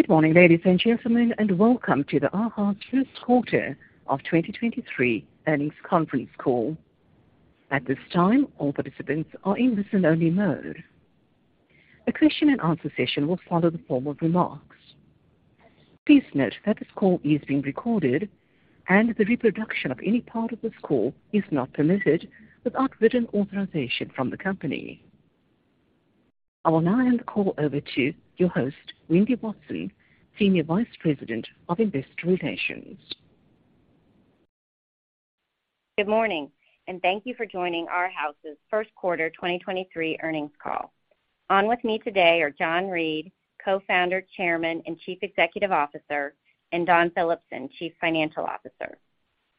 Good morning, ladies and gentlemen, and welcome to the Arhaus first quarter of 2023 earnings conference call. At this time, all participants are in listen-only mode. A question and answer session will follow the formal remarks. Please note that this call is being recorded, and the reproduction of any part of this call is not permitted without written authorization from the company. I will now hand the call over to your host, Wendy Watson, Senior Vice President of Investor Relations. Good morning, thank you for joining Arhaus' first quarter 2023 earnings call. On with me today are John Reed, Co-founder, Chairman, and Chief Executive Officer, and Dawn Phillipson, Chief Financial Officer.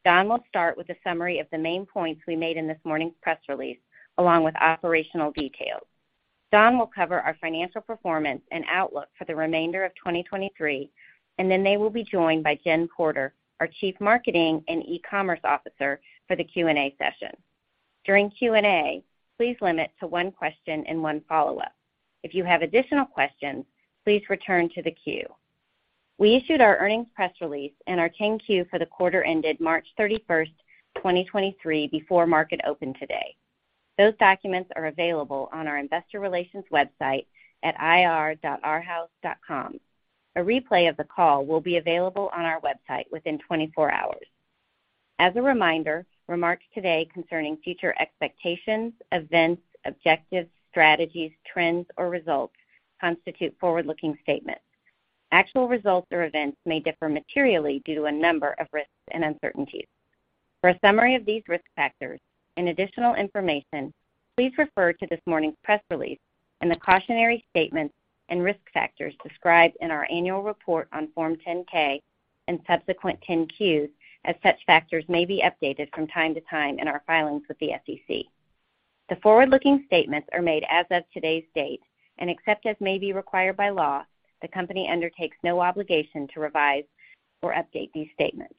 Dawn will start with a summary of the main points we made in this morning's press release, along with operational details. Dawn will cover our financial performance and outlook for the remainder of 2023, and then they will be joined by Jen Porter, our Chief Marketing and E-commerce Officer, for the Q and A session. During Q and A, please limit to one question and one follow-up. If you have additional questions, please return to the queue. We issued our earnings press release and our 10-Q for the quarter ended March 31st, 2023, before market open today. Those documents are available on our investor relations website at ir.arhaus.com. A replay of the call will be available on our website within 24 hours. As a reminder, remarks today concerning future expectations, events, objectives, strategies, trends, or results constitute forward-looking statements. Actual results or events may differ materially due to a number of risks and uncertainties. For a summary of these risk factors and additional information, please refer to this morning's press release and the cautionary statements and risk factors described in our annual report on Form 10-K and subsequent 10-Qs as such factors may be updated from time to time in our filings with the SEC. Except as may be required by law, the company undertakes no obligation to revise or update these statements.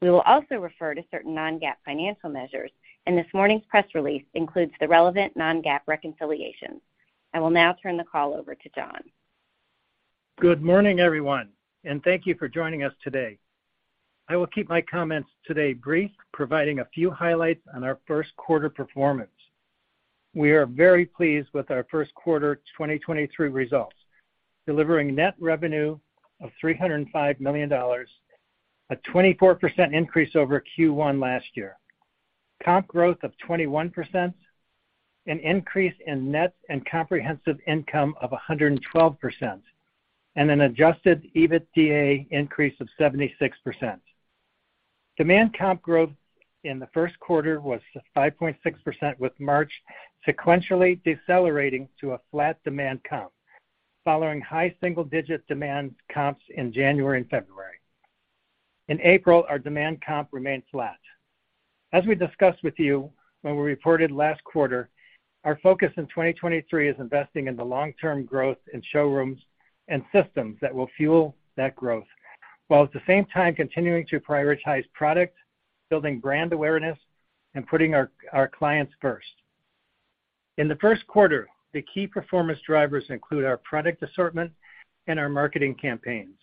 We will also refer to certain non-GAAP financial measures. This morning's press release includes the relevant non-GAAP reconciliations. I will now turn the call over to John. Good morning, everyone, thank you for joining us today. I will keep my comments today brief, providing a few highlights on our first quarter performance. We are very pleased with our first quarter 2023 results, delivering net revenue of $305 million, a 24% increase over Q1 last year. Comp growth of 21%, an increase in net and comprehensive income of 112%, and an adjusted EBITDA increase of 76%. Demand comp growth in the first quarter was 5.6%, with March sequentially decelerating to a flat demand comp following high single-digit demand comps in January and February. In April, our demand comp remained flat. As we discussed with you when we reported last quarter, our focus in 2023 is investing in the long-term growth in showrooms and systems that will fuel that growth, while at the same time continuing to prioritize product, building brand awareness, and putting our clients first. In the first quarter, the key performance drivers include our product assortment and our marketing campaigns.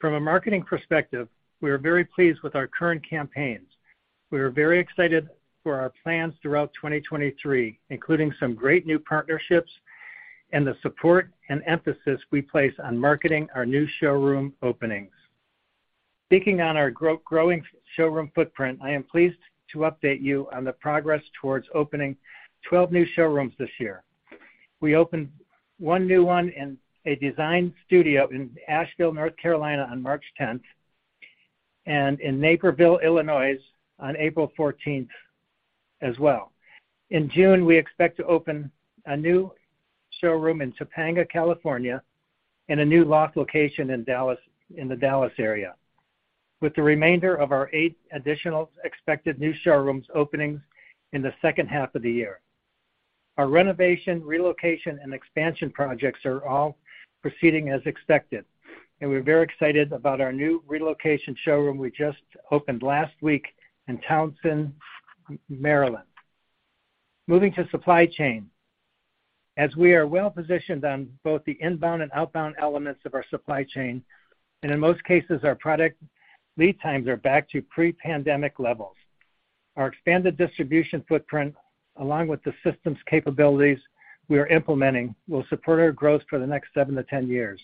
From a marketing perspective, we are very pleased with our current campaigns. We are very excited for our plans throughout 2023, including some great new partnerships and the support and emphasis we place on marketing our new showroom openings. Speaking on our growing showroom footprint, I am pleased to update you on the progress towards opening 12 new showrooms this year. We opened one new one in a design studio in Asheville, North Carolina, on March 10th, and in Naperville, Illinois, on April 14th as well. In June, we expect to open a new showroom in Topanga, California, and a new loft location in Dallas, in the Dallas area. With the remainder of our eight additional expected new showrooms openings in the second half of the year. Our renovation, relocation, and expansion projects are all proceeding as expected, and we're very excited about our new relocation showroom we just opened last week in Towson, Maryland. Moving to supply chain. We are well positioned on both the inbound and outbound elements of our supply chain, and in most cases, our product lead times are back to pre-pandemic levels. Our expanded distribution footprint, along with the systems capabilities we are implementing, will support our growth for the next seven to 10 years.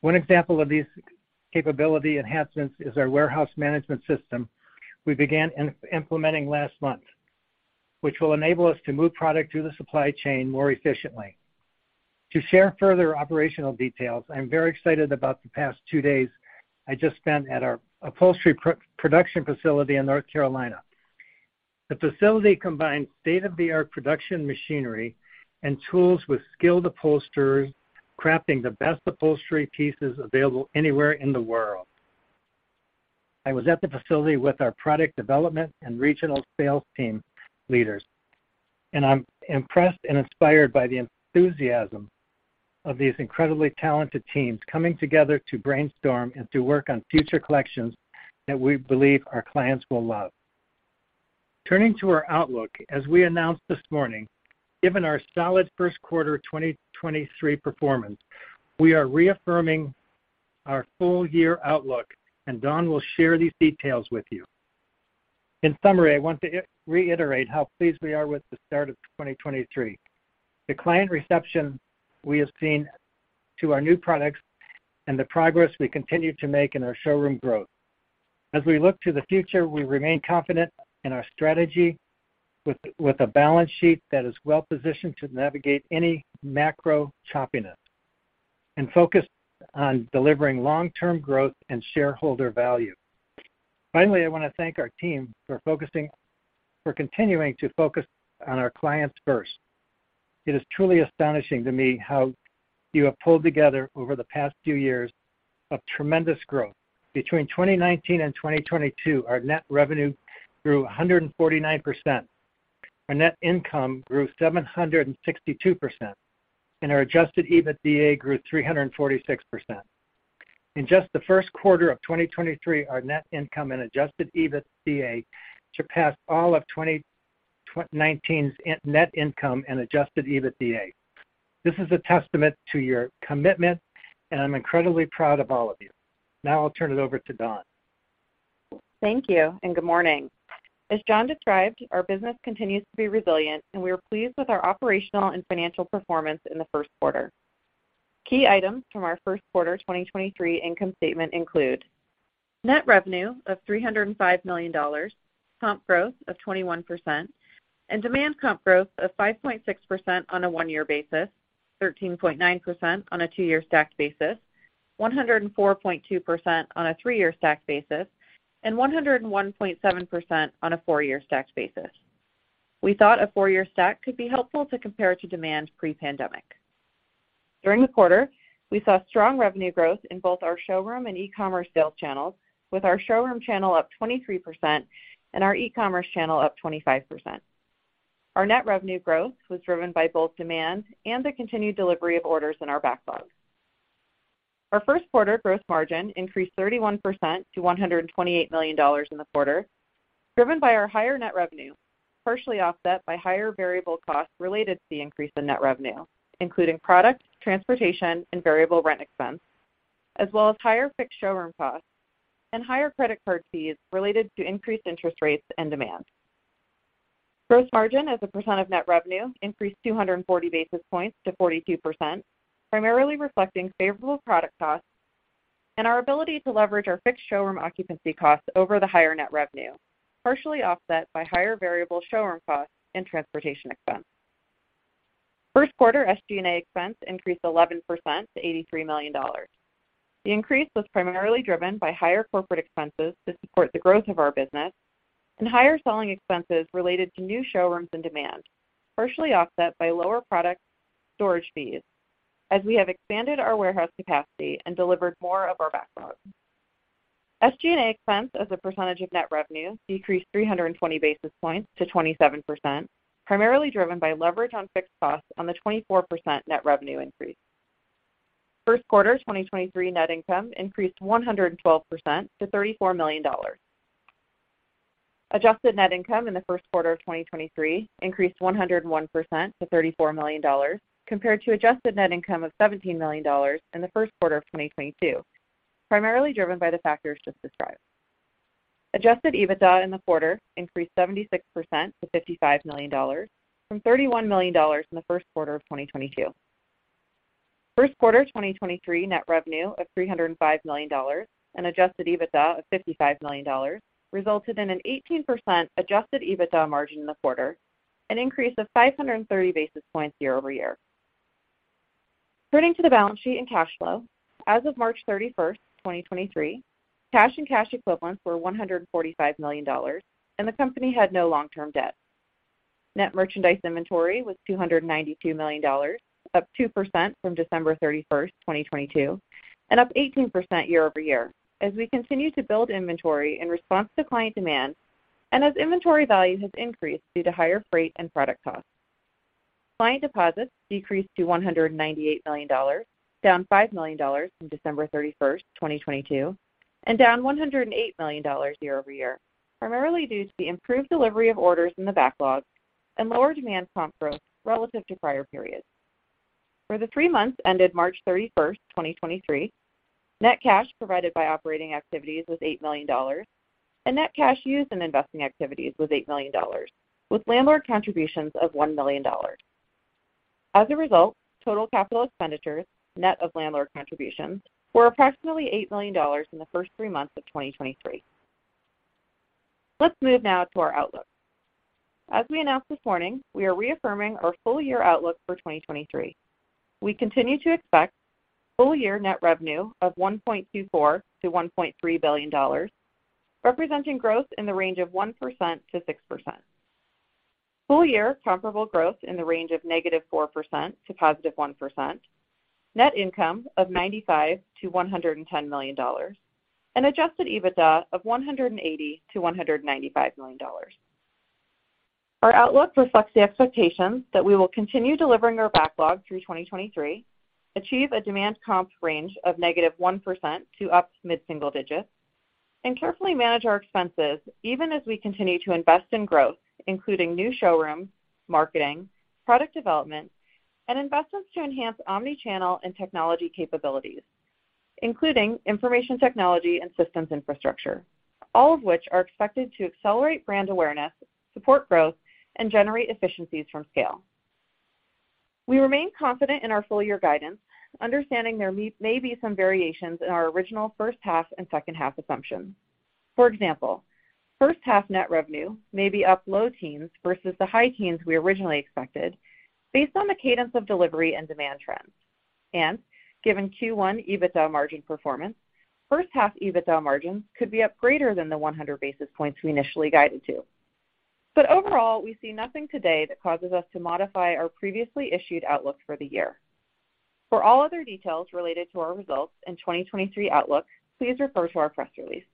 One example of these capability enhancements is our warehouse management system we began implementing last month, which will enable us to move product through the supply chain more efficiently. To share further operational details, I'm very excited about the past two days I just spent at our upholstery production facility in North Carolina. The facility combines state-of-the-art production machinery and tools with skilled upholsterers, crafting the best upholstery pieces available anywhere in the world. I was at the facility with our product development and regional sales team leaders, and I'm impressed and inspired by the enthusiasm of these incredibly talented teams coming together to brainstorm and to work on future collections that we believe our clients will love. Turning to our outlook, as we announced this morning, given our solid first quarter 2023 performance, we are reaffirming our full year outlook, and Dawn will share these details with you. In summary, I want to reiterate how pleased we are with the start of 2023. The client reception we have seen to our new products and the progress we continue to make in our showroom growth. As we look to the future, we remain confident in our strategy with a balance sheet that is well positioned to navigate any macro choppiness and focused on delivering long-term growth and shareholder value. Finally, I wanna thank our team for continuing to focus on our clients first. It is truly astonishing to me how you have pulled together over the past few years of tremendous growth. Between 2019 and 2022, our net revenue grew 149%, our net income grew 762%, and our adjusted EBITDA grew 346%. In just the first quarter of 2023, our net income and adjusted EBITDA surpassed all of 2019's net income and adjusted EBITDA. This is a testament to your commitment, I'm incredibly proud of all of you. I'll turn it over to Dawn. Thank you and good morning. As John described, our business continues to be resilient, and we are pleased with our operational and financial performance in the first quarter. Key items from our first quarter 2023 income statement include: net revenue of $305 million, comp growth of 21%, and demand comp growth of 5.6% on a one-year basis, 13.9% on a two-year stacked basis, 104.2% on a three-year stacked basis, and 101.7% on a four-year stacked basis. We thought a four-year stack could be helpful to compare to demand pre-pandemic. During the quarter, we saw strong revenue growth in both our showroom and e-commerce sales channels, with our showroom channel up 23% and our e-commerce channel up 25%. Our net revenue growth was driven by both demand and the continued delivery of orders in our backlog. Our first quarter gross margin increased 31% to $128 million in the quarter, driven by our higher net revenue, partially offset by higher variable costs related to the increase in net revenue, including product, transportation, and variable rent expense, as well as higher fixed showroom costs and higher credit card fees related to increased interest rates and demand. Gross margin as a percent of net revenue increased 240 basis points to 42%, primarily reflecting favorable product costs and our ability to leverage our fixed showroom occupancy costs over the higher net revenue, partially offset by higher variable showroom costs and transportation expense. First quarter SG&A expense increased 11% to $83 million. The increase was primarily driven by higher corporate expenses to support the growth of our business and higher selling expenses related to new showrooms and demand, partially offset by lower product storage fees as we have expanded our warehouse capacity and delivered more of our backlog. SG&A expense as a percentage of net revenue decreased 320 basis points to 27%, primarily driven by leverage on fixed costs on the 24% net revenue increase. First quarter 2023 net income increased 112% to $34 million. Adjusted net income in the first quarter of 2023 increased 101% to $34 million compared to adjusted net income of $17 million in the first quarter of 2022, primarily driven by the factors just described. Adjusted EBITDA in the quarter increased 76% to $55 million from $31 million in the first quarter of 2022. First quarter 2023 net revenue of $305 million and adjusted EBITDA of $55 million resulted in an 18% adjusted EBITDA margin in the quarter, an increase of 530 basis points year-over-year. Turning to the balance sheet and cash flow, as of March 31st, 2023, cash and cash equivalents were $145 million and the company had no long-term debt. Net merchandise inventory was $292 million, up 2% from December 31, 2022, and up 18% year-over-year as we continue to build inventory in response to client demand and as inventory value has increased due to higher freight and product costs. Client deposits decreased to $198 million, down $5 million from December 31, 2022, and down $108 million year-over-year, primarily due to the improved delivery of orders in the backlog and lower demand comp growth relative to prior periods. For the three months ended March 31, 2023, net cash provided by operating activities was $8 million and net cash used in investing activities was $8 million, with landlord contributions of $1 million. As a result, total capital expenditures, net of landlord contributions, were approximately $8 million in the first three months of 2023. Let's move now to our outlook. As we announced this morning, we are reaffirming our full year outlook for 2023. We continue to expect full year net revenue of $1.24 billion-$1.3 billion, representing growth in the range of 1%-6%. Full year comparable growth in the range of -4% to +1%. Net income of $95 million-$110 million. Adjusted EBITDA of $180 million-$195 million. Our outlook reflects the expectations that we will continue delivering our backlog through 2023, achieve a demand comp range of -1% to up to mid-single digits, and carefully manage our expenses even as we continue to invest in growth, including new showrooms, marketing, product development, and investments to enhance omni-channel and technology capabilities, including information technology and systems infrastructure. All of which are expected to accelerate brand awareness, support growth, and generate efficiencies from scale. We remain confident in our full-year guidance, understanding there may be some variations in our original first half and second half assumptions. For example, first half net revenue may be up low teens versus the high teens we originally expected based on the cadence of delivery and demand trends. Given Q1 EBITDA margin performance, first half EBITDA margins could be up greater than the 100 basis points we initially guided to. Overall, we see nothing today that causes us to modify our previously issued outlook for the year. For all other details related to our results and 2023 outlook, please refer to our press release.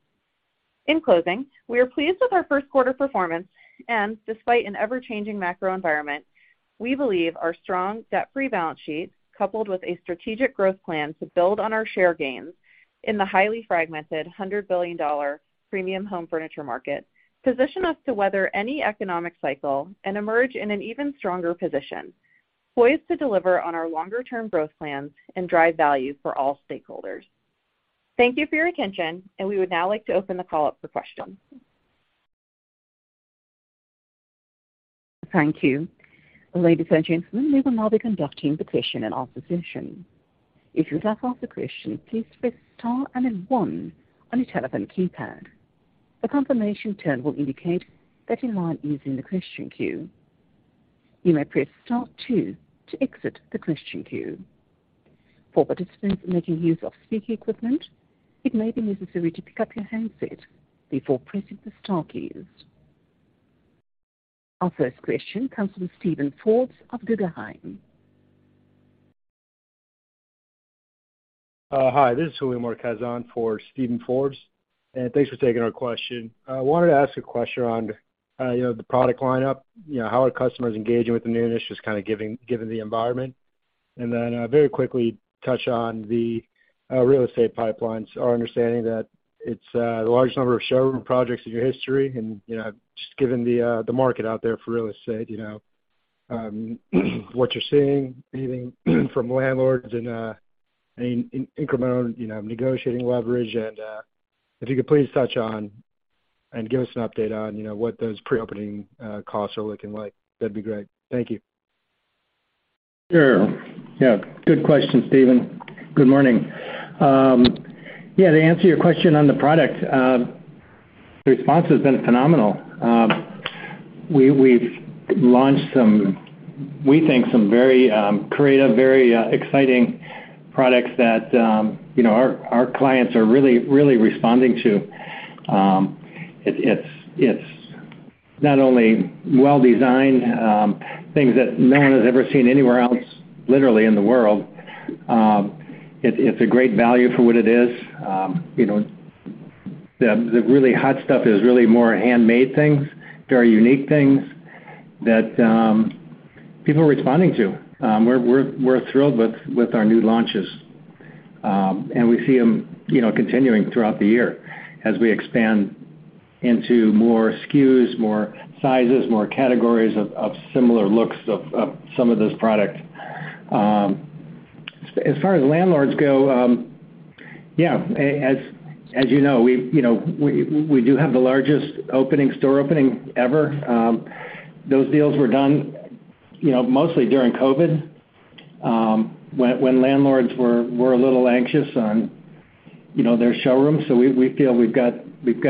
In closing, we are pleased with our first quarter performance. Despite an ever-changing macro environment, we believe our strong debt-free balance sheet, coupled with a strategic growth plan to build on our share gains in the highly fragmented $100 billion premium home furniture market, position us to weather any economic cycle and emerge in an even stronger position, poised to deliver on our longer-term growth plans and drive value for all stakeholders. Thank you for your attention, and we would now like to open the call up for questions. Thank you. Ladies and gentlemen, we will now be conducting the question and answer session. If you'd like to ask a question, please press star and then one on your telephone keypad. A confirmation tone will indicate that you are in the question queue. You may press star two to exit the question queue. For participants making use of speaker equipment, it may be necessary to pick up your handset before pressing the star keys. Our first question comes from Steven Forbes of Guggenheim. Hi, this is Julio Marquez for Steven Forbes, and thanks for taking our question. I wanted to ask a question on, you know, the product lineup. You know, how are customers engaging with the new initiatives, given the environment? Then, very quickly touch on the real estate pipelines. Our understanding that it's the largest number of showroom projects in your history. You know, just given the market out there for real estate, you know, what you're seeing anything from landlords and, any incremental, you know, negotiating leverage? If you could please touch on and give us an update on, you know, what those pre-opening costs are looking like, that'd be great. Thank you. Sure. Yeah, good question, Steven. Good morning. Yeah, to answer your question on the product, the response has been phenomenal. We've launched some, we think some very creative, very exciting products that, you know, our clients are really, really responding to. It's, it's not only well-designed, things that no one has ever seen anywhere else, literally in the world. It's a great value for what it is. You know, the really hot stuff is really more handmade things, very unique things that people are responding to. We're thrilled with our new launches. We see them, you know, continuing throughout the year as we expand into more SKUs, more sizes, more categories of similar looks of some of those products. As far as landlords go, as you know, we've, we do have the largest opening, store opening ever. Those deals were done mostly during COVID, when landlords were a little anxious on their showrooms. We feel we've got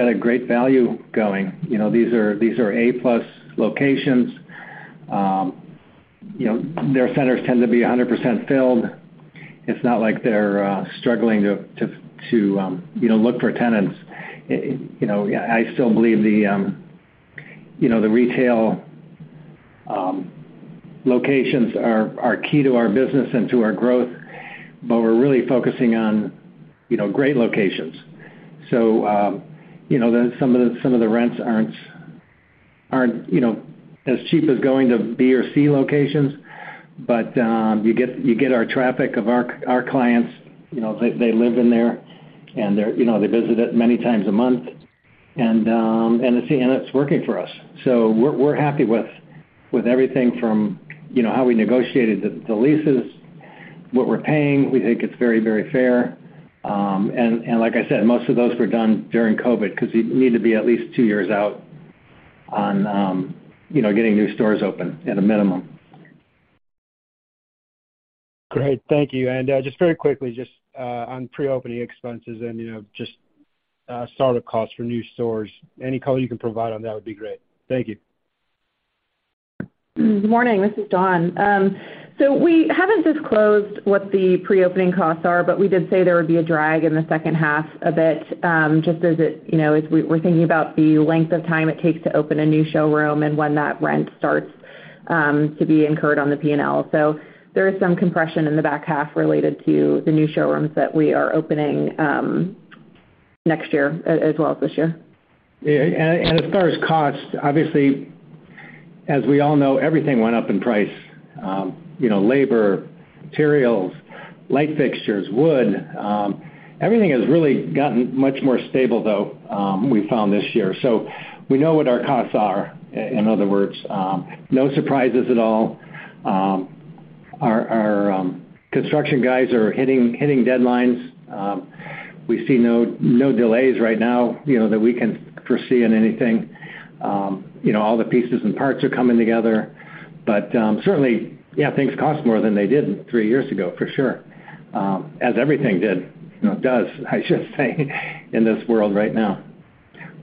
a great value going. These are A+ locations. Their centers tend to be 100% filled. It's not like they're struggling to look for tenants. I still believe the retail locations are key to our business and to our growth, but we're really focusing on great locations. You know, some of the rents aren't, you know, as cheap as going to B or C locations. You get our traffic of our clients. You know, they live in there, and they're, you know, they visit it many times a month. It's working for us. We're happy with everything from, you know, how we negotiated the leases, what we're paying. We think it's very, very fair. And like I said, most of those were done during COVID because you need to be at least two years out on, you know, getting new stores open at a minimum. Great. Thank you. Just very quickly, just on pre-opening expenses and, you know, just startup costs for new stores. Any color you can provide on that would be great. Thank you. Good morning. This is Dawn. We haven't disclosed what the pre-opening costs are, but we did say there would be a drag in the second half a bit, just as it, you know, as we're thinking about the length of time it takes to open a new showroom and when that rent starts to be incurred on the P&L. There is some compression in the back half related to the new showrooms that we are opening. Next year as well as this year. As far as cost, obviously, as we all know, everything went up in price. You know, labor, materials, light fixtures, wood. Everything has really gotten much more stable though, we found this year. We know what our costs are, in other words, no surprises at all. Our construction guys are hitting deadlines. We see no delays right now, you know, that we can foresee in anything. You know, all the pieces and parts are coming together. Certainly, yeah, things cost more than they did three years ago, for sure, as everything did, you know, does, I should say in this world right now.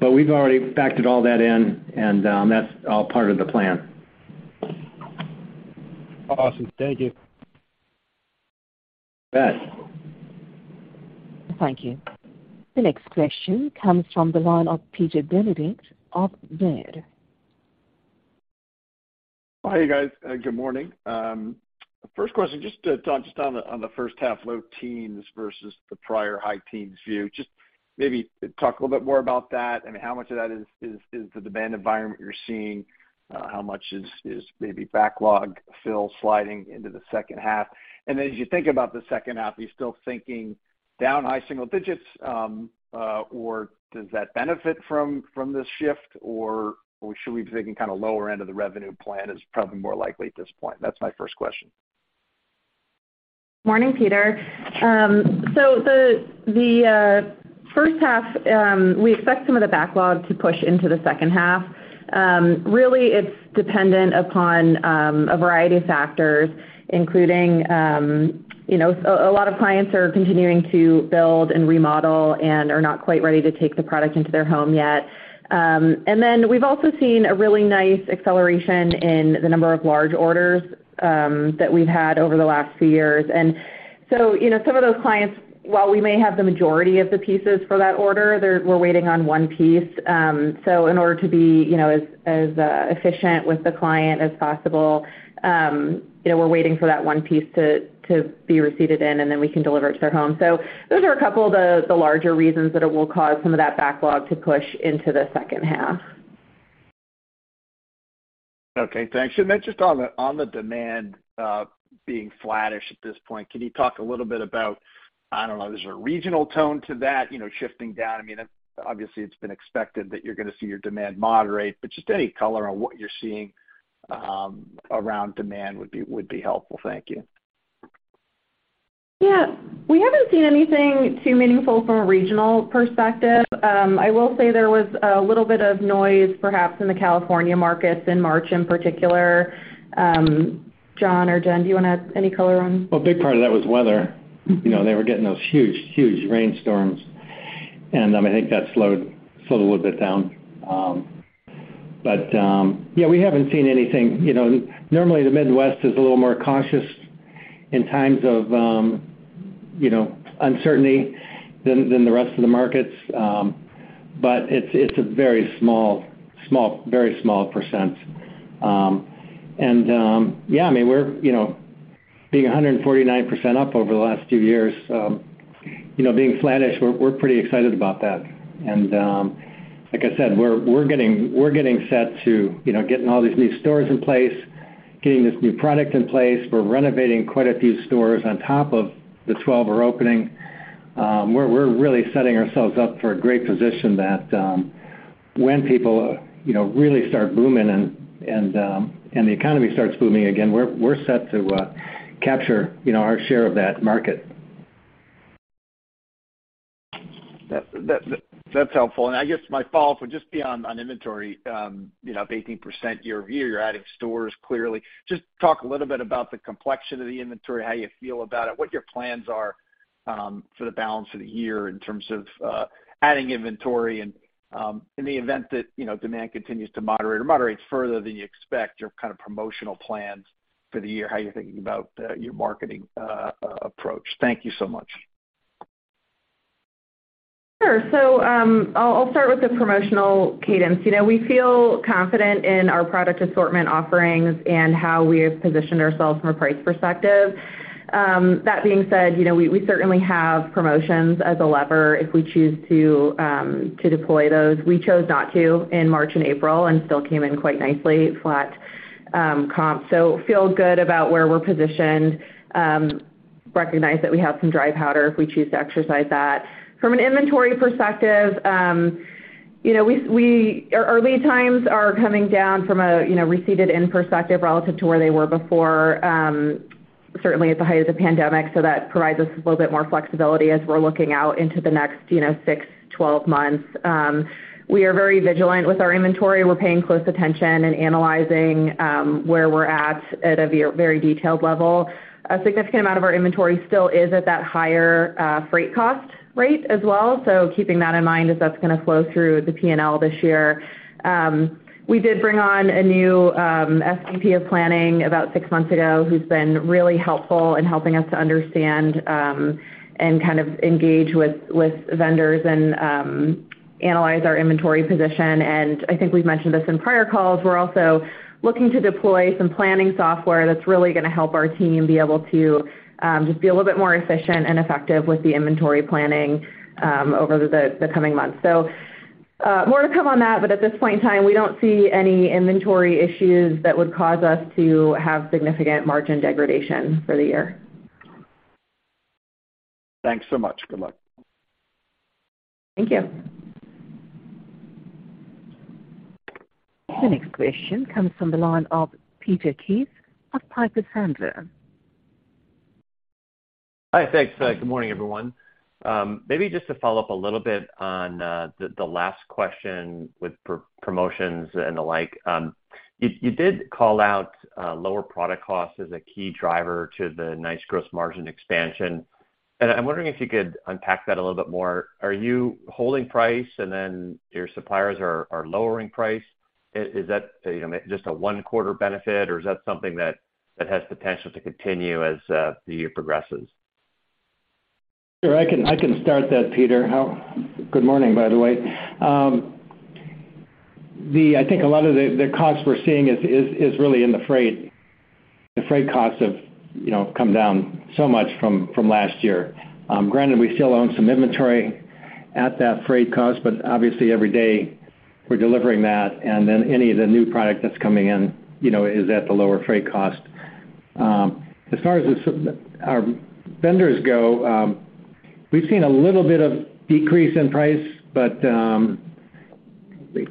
We've already factored all that in, and that's all part of the plan. Awesome. Thank you. You bet. Thank you. The next question comes from the line of Peter Benedict of Baird. Hey guys, good morning. First question, just on the first half low teens versus the prior high teens view. Maybe talk a little bit more about that. I mean, how much of that is the demand environment you're seeing? How much is maybe backlog fill sliding into the second half? As you think about the second half, are you still thinking down high single digits, or does that benefit from this shift, or should we be thinking kinda lower end of the revenue plan is probably more likely at this point? That's my first question. Morning, Peter. The first half, we expect some of the backlog to push into the second half. Really, it's dependent upon a variety of factors, including, you know, a lot of clients are continuing to build and remodel and are not quite ready to take the product into their home yet. We've also seen a really nice acceleration in the number of large orders that we've had over the last few years. You know, some of those clients, while we may have the majority of the pieces for that order, we're waiting on one piece. In order to be, you know, as efficient with the client as possible, you know, we're waiting for that one piece to be receipted in, and then we can deliver it to their home. Those are a couple of the larger reasons that it will cause some of that backlog to push into the second half. Okay, thanks. Then just on the, on the demand, being flattish at this point, can you talk a little bit about, I don't know, is there a regional tone to that, you know, shifting down? I mean, obviously, it's been expected that you're gonna see your demand moderate, but just any color on what you're seeing, around demand would be helpful? Thank you. Yeah. We haven't seen anything too meaningful from a regional perspective. I will say there was a little bit of noise, perhaps in the California markets in March in particular. John or Jen, Any color on? Well, a big part of that was weather. Mm-hmm. You know, they were getting those huge rainstorms, and I think that slowed a little bit down. Yeah, we haven't seen anything. You know, normally, the Midwest is a little more cautious in times of, you know, uncertainty than the rest of the markets, but it's a very small, very small percent. Yeah, I mean, we're, you know, being 149% up over the last few years, you know, being flattish, we're pretty excited about that. Like I said, we're getting set to, you know, getting all these new stores in place, getting this new product in place. We're renovating quite a few stores on top of the 12 we're opening. We're really setting ourselves up for a great position that, when people, you know, really start booming and the economy starts booming again, we're set to capture, you know, our share of that market. That's helpful. I guess my follow-up would just be on inventory, you know, up 18% year-over-year. You're adding stores clearly. Just talk a little bit about the complexion of the inventory, how you feel about it, what your plans are for the balance of the year in terms of adding inventory and in the event that, you know, demand continues to moderate or moderates further than you expect, your kind of promotional plans for the year, how you're thinking about your marketing approach? Thank you so much. Sure. I'll start with the promotional cadence. You know, we feel confident in our product assortment offerings and how we have positioned ourselves from a price perspective. That being said, you know, we certainly have promotions as a lever if we choose to deploy those. We chose not to in March and April and still came in quite nicely, flat, comp. Feel good about where we're positioned, recognize that we have some dry powder if we choose to exercise that. From an inventory perspective, you know, our lead times are coming down from a, you know, receipted in perspective relative to where they were before, certainly at the height of the pandemic, so that provides us with a little bit more flexibility as we're looking out into the next, you know, six, 12 months. We are very vigilant with our inventory. We're paying close attention and analyzing where we're at at a very detailed level. A significant amount of our inventory still is at that higher freight cost rate as well. So keeping that in mind as that's gonna flow through the P&L this year. We did bring on a new SVP of planning about six months ago, who's been really helpful in helping us to understand and kind of engage with vendors and analyze our inventory position. I think we've mentioned this in prior calls, we're also looking to deploy some planning software that's really gonna help our team be able to just be a little bit more efficient and effective with the inventory planning over the coming months. More to come on that, but at this point in time, we don't see any inventory issues that would cause us to have significant margin degradation for the year. Thanks so much. Good luck. Thank you. The next question comes from the line of Peter Keith of Piper Sandler. Hi. Thanks. Good morning, everyone. Maybe just to follow up a little bit on the last question with promotions and the like. You did call out lower product costs as a key driver to the nice gross margin expansion. I'm wondering if you could unpack that a little bit more. Are you holding price and then your suppliers are lowering price? Is that, you know, just a one quarter benefit, or is that something that has potential to continue as the year progresses? Sure. I can start that, Peter. Good morning, by the way. I think a lot of the costs we're seeing is really in the freight. The freight costs have, you know, come down so much from last year. Granted, we still own some inventory at that freight cost, but obviously every day we're delivering that. Any of the new product that's coming in, you know, is at the lower freight cost. As far as our vendors go, we've seen a little bit of decrease in price, but,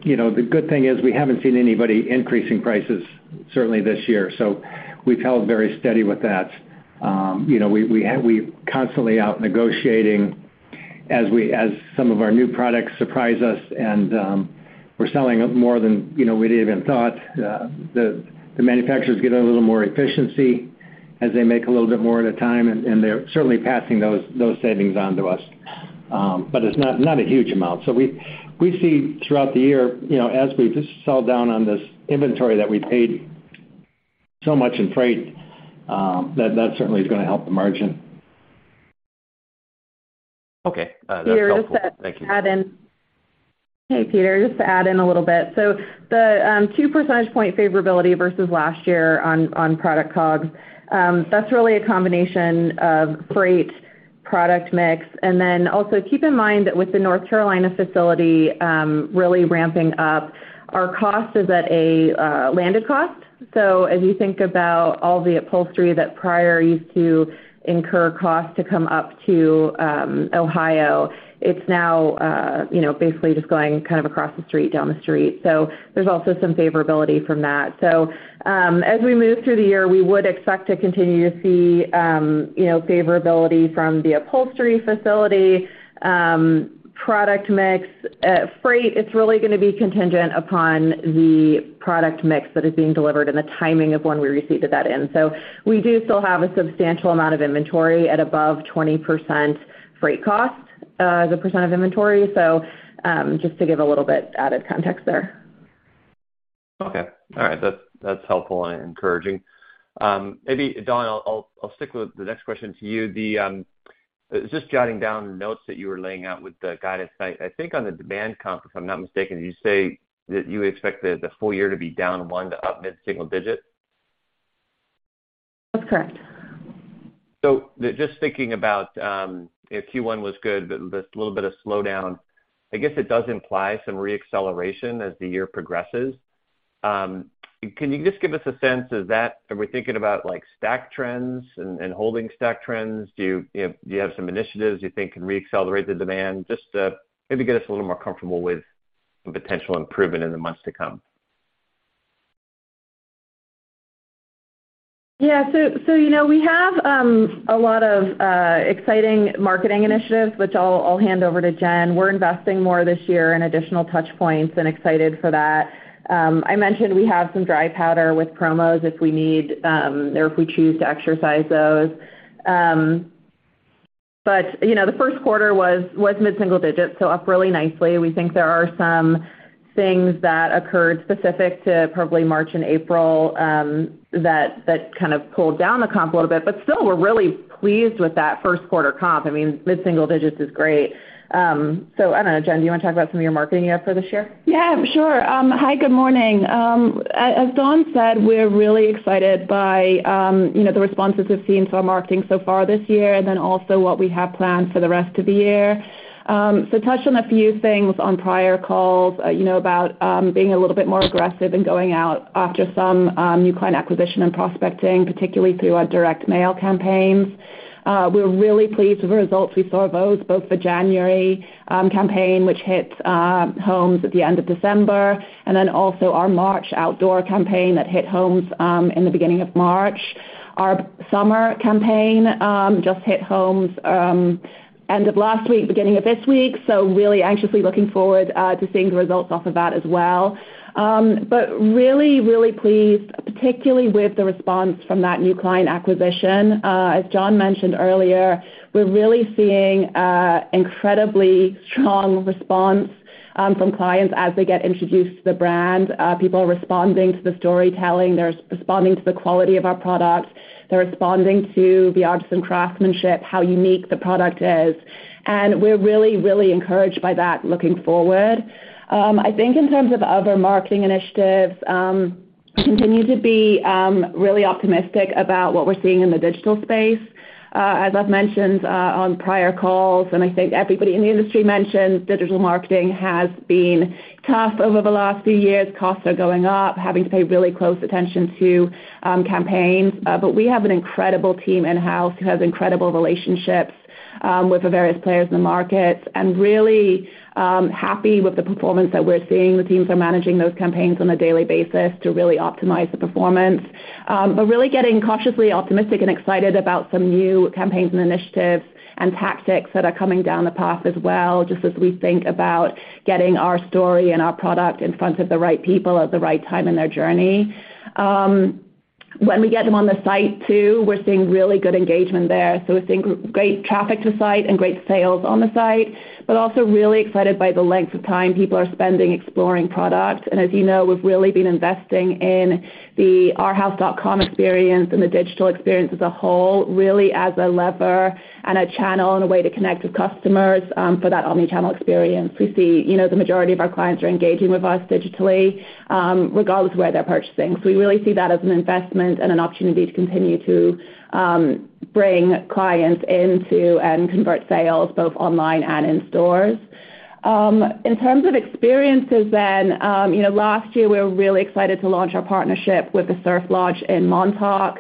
you know, the good thing is we haven't seen anybody increasing prices certainly this year. We've held very steady with that. You know, we're constantly out negotiating as some of our new products surprise us and we're selling more than, you know, we'd even thought. The manufacturers get a little more efficiency as they make a little bit more at a time, and they're certainly passing those savings on to us. But it's not a huge amount. We see throughout the year, you know, as we just sell down on this inventory that we paid so much in freight, that certainly is gonna help the margin. Okay. That's helpful. Thank you. Peter, just to add in. Hey, Peter, just to add in a little bit. The two percentage point favorability versus last year on product COGS, that's really a combination of freight, product mix. Also keep in mind that with the North Carolina facility really ramping up, our cost is at a landed cost. As you think about all the upholstery that prior used to incur cost to come up to Ohio, it's now, you know, basically just going kind of across the street, down the street. There's also some favorability from that. As we move through the year, we would expect to continue to see, you know, favorability from the upholstery facility, product mix. Freight, it's really gonna be contingent upon the product mix that is being delivered and the timing of when we received that in. We do still have a substantial amount of inventory at above 20% freight cost, as a percent of inventory. Just to give a little bit added context there. Okay. All right. That's, that's helpful and encouraging. Maybe, Dawn, I'll stick with the next question to you. The, Just jotting down notes that you were laying out with the guidance. I think on the demand comp, if I'm not mistaken, did you say that you expected the full year to be down 1% to up mid-single digit? That's correct. Just thinking about, if Q1 was good, but this little bit of slowdown, I guess it does imply some re-acceleration as the year progresses. Can you just give us a sense, Are we thinking about, like, stack trends and holding stack trends? Do you know, do you have some initiatives you think can re-accelerate the demand? Just to maybe get us a little more comfortable with the potential improvement in the months to come. Yeah. You know, we have a lot of exciting marketing initiatives, which I'll hand over to Jen. We're investing more this year in additional touch points and excited for that. I mentioned we have some dry powder with promos if we need, or if we choose to exercise those. You know, the first quarter was mid-single digit, so up really nicely. We think there are some things that occurred specific to probably March and April, that kind of pulled down the comp a little bit, but still, we're really pleased with that first quarter comp. I mean, mid-single digits is great. I don't know, Jen, do you wanna talk about some of your marketing you have for this year? Yeah, sure. Hi, good morning. As Dawn said, we're really excited by, you know, the responses we've seen to our marketing so far this year and then also what we have planned for the rest of the year. Touched on a few things on prior calls, you know, about being a little bit more aggressive and going out after some new client acquisition and prospecting, particularly through our direct mail campaigns. We're really pleased with the results we saw of those, both the January campaign, which hit homes at the end of December, and then also our March outdoor campaign that hit homes in the beginning of March. Our summer campaign just hit homes end of last week, beginning of this week. Really anxiously looking forward to seeing the results off of that as well. Really, really pleased, particularly with the response from that new client acquisition. As John mentioned earlier, we're really seeing a incredibly strong response from clients as they get introduced to the brand. People are responding to the storytelling. They're responding to the quality of our products. They're responding to the artisan craftsmanship, how unique the product is, and we're really, really encouraged by that looking forward. I think in terms of other marketing initiatives, continue to be really optimistic about what we're seeing in the digital space. As I've mentioned on prior calls, and I think everybody in the industry mentions digital marketing has been tough over the last few years. Costs are going up, having to pay really close attention to campaigns. We have an incredible team in-house who has incredible relationships with the various players in the market, and really happy with the performance that we're seeing. The teams are managing those campaigns on a daily basis to really optimize the performance. Really getting cautiously optimistic and excited about some new campaigns and initiatives and tactics that are coming down the path as well, just as we think about getting our story and our product in front of the right people at the right time in their journey. When we get them on the site too, we're seeing really good engagement there. We're seeing great traffic to site and great sales on the site, but also really excited by the length of time people are spending exploring product. As you know, we've really been investing in the arhaus.com experience and the digital experience as a whole, really as a lever and a channel and a way to connect with customers for that omni-channel experience. We see, you know, the majority of our clients are engaging with us digitally, regardless of where they're purchasing. We really see that as an investment and an opportunity to continue to bring clients into and convert sales both online and in stores. In terms of experiences, you know, last year, we were really excited to launch our partnership with The Surf Lodge in Montauk.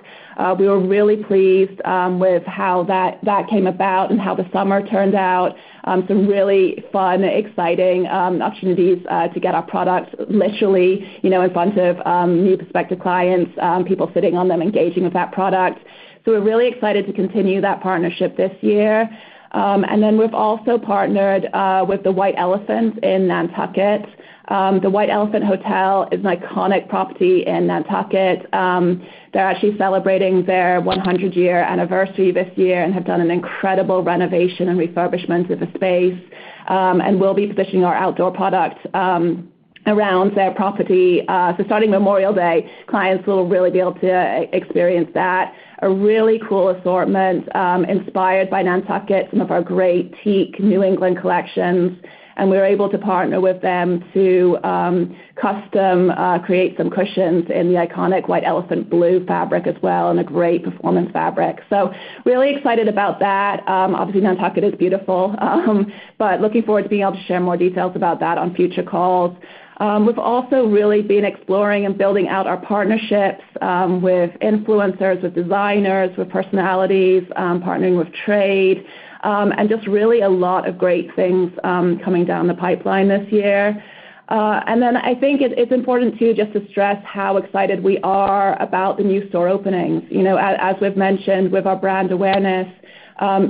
We were really pleased with how that came about and how the summer turned out. Some really fun, exciting opportunities, to get our products literally, you know, in front of new prospective clients, people sitting on them, engaging with that product. We're really excited to continue that partnership this year. We've also partnered with The White Elephant in Nantucket. The White Elephant Hotel is an iconic property in Nantucket. They're actually celebrating their 100-year anniversary this year and have done an incredible renovation and refurbishment of the space, and we'll be positioning our outdoor products around their property. Starting Memorial Day, clients will really be able to e-experience that. A really cool assortment, inspired by Nantucket, some of our great teak New England collections. We're able to partner with them to custom create some cushions in the iconic White Elephant blue fabric as well, and a great performance fabric. Really excited about that. Obviously, Nantucket is beautiful. Looking forward to being able to share more details about that on future calls. We've also really been exploring and building out our partnerships with influencers, with designers, with personalities, partnering with trade, and just really a lot of great things coming down the pipeline this year. I think it's important too, just to stress how excited we are about the new store openings. You know, as we've mentioned with our brand awareness,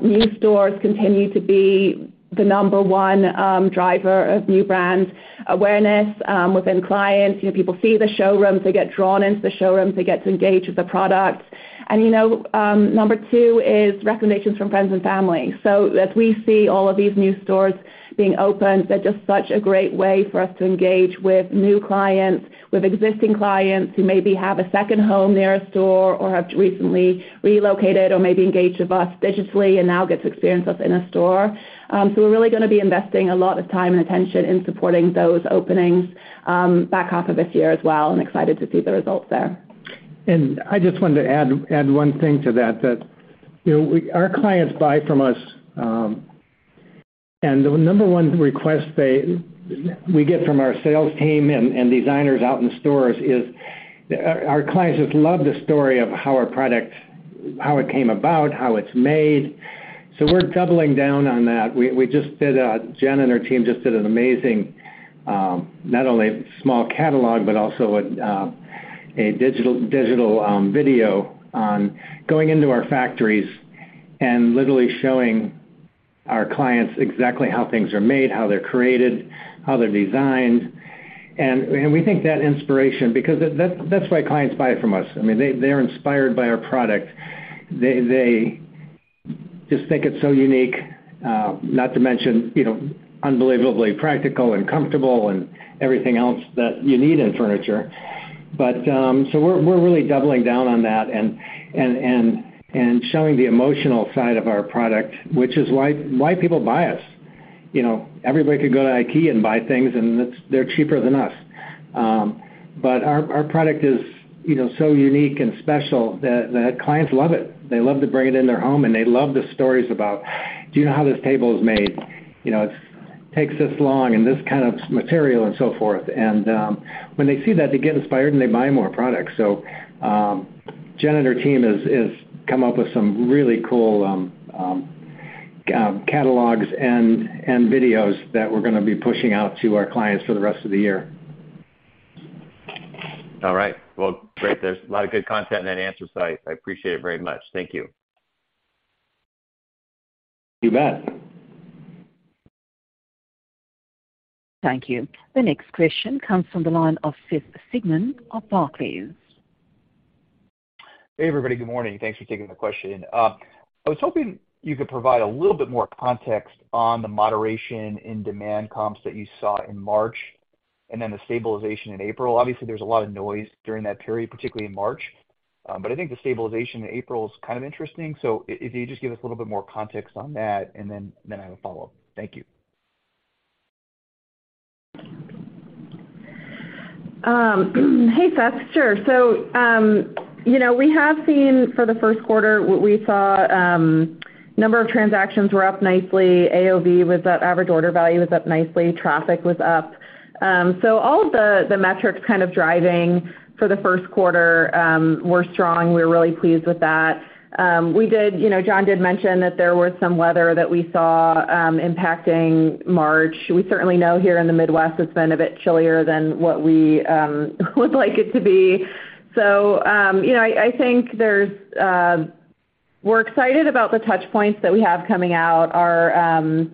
new stores continue to be the number 1 driver of new brand awareness within clients. You know, people see the showrooms, they get drawn into the showrooms, they get to engage with the products. You know, number two is recommendations from friends and family. As we see all of these new stores being opened, they're just such a great way for us to engage with new clients, with existing clients who maybe have a second home near a store or have recently relocated or maybe engaged with us digitally and now get to experience us in a store. We're really gonna be investing a lot of time and attention in supporting those openings, back half of this year as well, and excited to see the results there. I just wanted to add one thing to that, you know, our clients buy from us, and the number one request they, we get from our sales team and designers out in the stores is our clients just love the story of how our product, how it came about, how it's made. We're doubling down on that. We just did a Jen and her team just did an amazing, not only small catalog, but also a digital video on going into our factories and literally showing our clients exactly how things are made, how they're created, how they're designed. We think that inspiration, because that's why clients buy from us. I mean, they're inspired by our product. They just think it's so unique, not to mention, you know, unbelievably practical and comfortable and everything else that you need in furniture. We're really doubling down on that and showing the emotional side of our product, which is why people buy us. You know, everybody could go to IKEA and buy things, they're cheaper than us. Our product is, you know, so unique and special that clients love it. They love to bring it in their home, and they love the stories about, do you know how this table is made? You know, it's takes this long and this kind of material and so forth. When they see that, they get inspired, and they buy more products. Jen and her team has come up with some really cool catalogs and videos that we're gonna be pushing out to our clients for the rest of the year. All right. Well, great. There's a lot of good content in that answer, so I appreciate it very much. Thank you. You bet. Thank you. The next question comes from the line of Seth Sigman of Barclays. Hey, everybody. Good morning. Thanks for taking the question. I was hoping you could provide a little bit more context on the moderation in demand comps that you saw in March and then the stabilization in April. Obviously, there's a lot of noise during that period, particularly in March. I think the stabilization in April is kind of interesting. If you just give us a little bit more context on that, and then I have a follow-up. Thank you. Hey, Seth. Sure. You know, we have seen for the first quarter, we saw number of transactions were up nicely. AOV was up, average order value was up nicely. Traffic was up. All of the metrics kind of driving for the first quarter were strong. We're really pleased with that. You know, John did mention that there was some weather that we saw impacting March. We certainly know here in the Midwest, it's been a bit chillier than what we would like it to be. You know, I think there's We're excited about the touch points that we have coming out. Our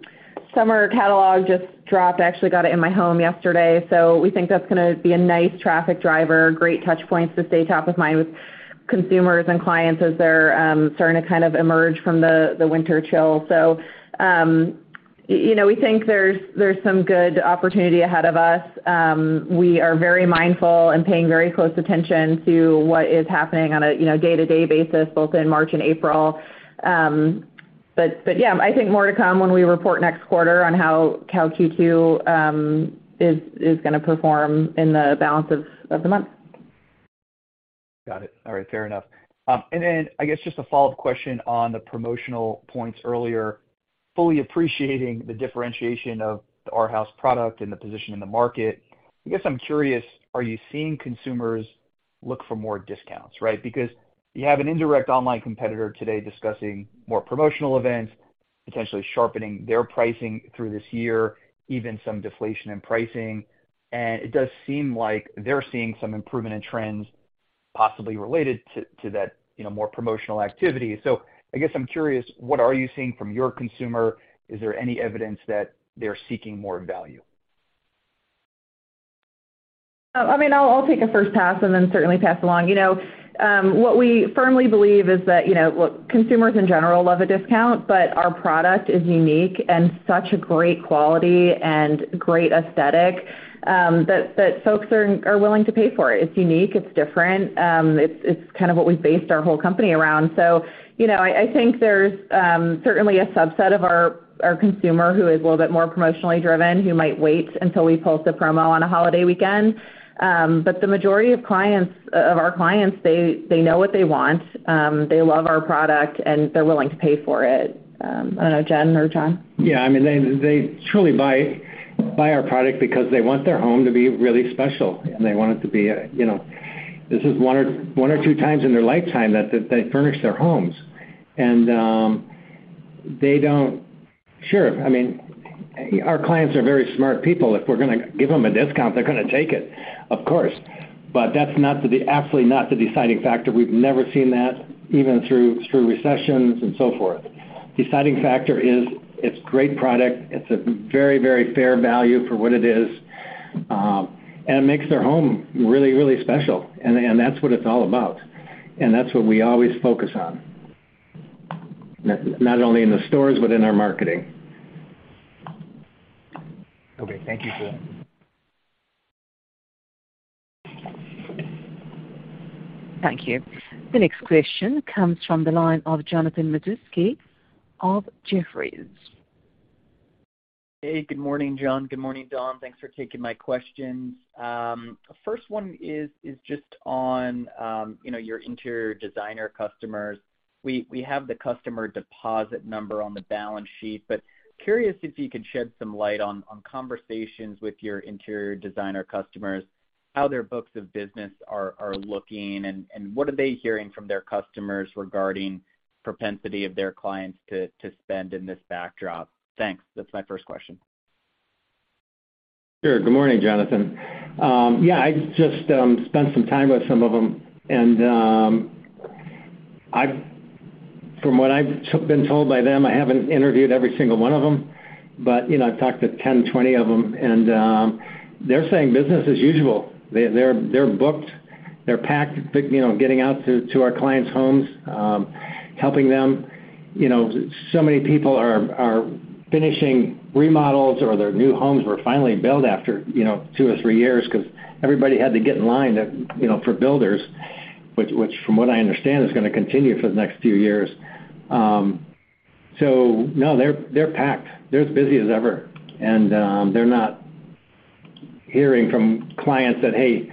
summer catalog just dropped. I actually got it in my home yesterday. We think that's gonna be a nice traffic driver, great touch points to stay top of mind with consumers and clients as they're starting to kind of emerge from the winter chill. You know, we think there's some good opportunity ahead of us. We are very mindful and paying very close attention to what is happening on a, you know, day-to-day basis, both in March and April. Yeah, I think more to come when we report next quarter on how cal Q2 is gonna perform in the balance of the month. Got it. All right. Fair enough. Then I guess just a follow-up question on the promotional points earlier. Fully appreciating the differentiation of the Arhaus product and the position in the market, I guess I'm curious, are you seeing consumers look for more discounts, right? Because you have an indirect online competitor today discussing more promotional events, potentially sharpening their pricing through this year, even some deflation in pricing. It does seem like they're seeing some improvement in trends possibly related to that, you know, more promotional activity. I guess I'm curious, what are you seeing from your consumer? Is there any evidence that they're seeking more value? I mean, I'll take a first pass and then certainly pass along. You know, what we firmly believe is that, you know, look, consumers in general love a discount. Our product is unique and such a great quality and great aesthetic, that folks are willing to pay for it. It's unique. It's different. It's kind of what we based our whole company around. You know, I think there's certainly a subset of our consumer who is a little bit more promotionally driven, who might wait until we post a promo on a holiday weekend. The majority of our clients, they know what they want. They love our product, and they're willing to pay for it. I don't know, Jen or John? Yeah. I mean, they truly buy our product because they want their home to be really special, and they want it to be, you know. This is one or two times in their lifetime that they furnish their homes. They don't. Sure. I mean, our clients are very smart people. If we're gonna give them a discount, they're gonna take it, of course. That's not absolutely not the deciding factor. We've never seen that even through recessions and so forth. Deciding factor is it's great product. It's a very fair value for what it is, and it makes their home really special. That's what it's all about. That's what we always focus on. Not only in the stores but in our marketing. Okay. Thank you two. Thank you. The next question comes from the line of Jonathan Matuszewski of Jefferies. Hey, good morning, John. Good morning, Dawn. Thanks for taking my questions. First one is just on, you know, your interior designer customers. We have the customer deposit number on the balance sheet, but curious if you could shed some light on conversations with your interior designer customers, how their books of business are looking, and what are they hearing from their customers regarding propensity of their clients to spend in this backdrop? Thanks. That's my first question. Sure. Good morning, Jonathan. Yeah, I just spent some time with some of them, and from what I've been told by them, I haven't interviewed every single one of them, but, you know, I've talked to 10, 20 of them, and they're saying business as usual. They're booked. They're packed, you know, getting out to our clients' homes, helping them. You know, so many people are finishing remodels or their new homes were finally built after, you know, two or three years 'cause everybody had to get in line, you know, for builders, which from what I understand is gonna continue for the next few years. No, they're packed. They're as busy as ever. They're not hearing from clients that, "Hey,